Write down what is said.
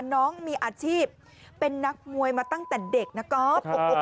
น้องมีอาชีพเป็นนักมวยมาตั้งแต่เด็กนะครับ